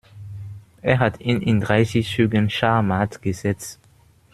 Er hat ihn in dreißig Zügen schachmatt gesetzt.